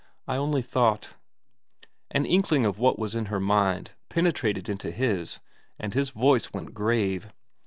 ' I only thought ' An inkling of what was in her mind penetrated into his, and his voice went grave.